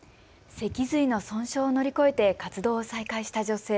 脊髄の損傷を乗り越えて活動を再開した女性。